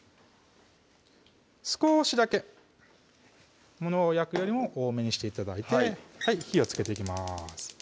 少しだけ物を焼くよりも多めにして頂いて火をつけていきます